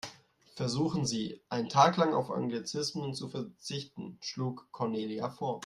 Versuchen Sie, einen Tag lang auf Anglizismen zu verzichten, schlug Cornelia vor.